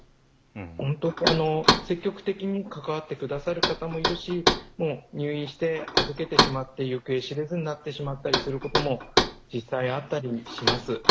本当に積極的に関わってくださる方もいるし入院して預けてしまって行方知れずになってしまったりすることも実際あったりします。